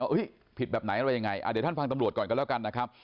ผิดแบบไหนอะไรยังไงเดี๋ยวท่านฟังตำรวจก่อนกันแล้วกันนะครับ